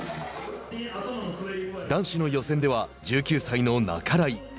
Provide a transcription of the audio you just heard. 男子の予選では１９歳の半井。